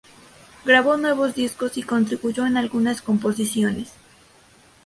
Grabó nuevos discos y contribuyó en algunas composiciones.